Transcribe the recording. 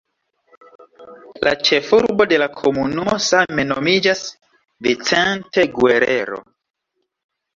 La ĉefurbo de la komunumo same nomiĝas "Vicente Guerrero".